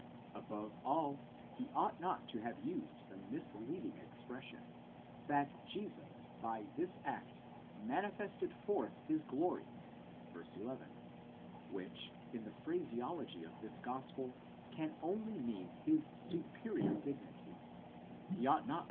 Above all, he ought not to have used the misleading expression, that Jesus by this act manifested forth his glory (τὴν δόξαν αὑτοῦ, v. 11), which, in the phraseology of this gospel, can only mean his superior dignity; he ought not.